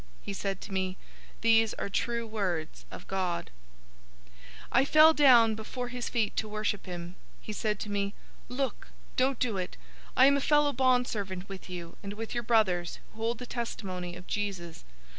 '" He said to me, "These are true words of God." 019:010 I fell down before his feet to worship him. He said to me, "Look! Don't do it! I am a fellow bondservant with you and with your brothers who hold the testimony of Jesus.